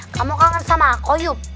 kamu kangen sama aku yup